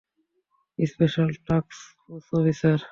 Special task force officer.